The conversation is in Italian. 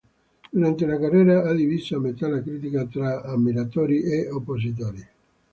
Durante la carriera ha diviso a metà la critica tra ammiratori e oppositori.